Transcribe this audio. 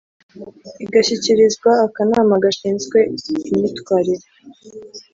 igashyikirizwa akanama gashinzwe imyitwarire